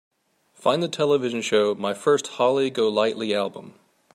Find the television show My First Holly Golightly Album